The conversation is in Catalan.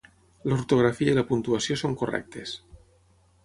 L'ortografia i la puntuació són correctes